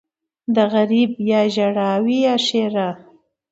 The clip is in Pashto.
ـ د غريب يا ژړا وي يا ښېرا.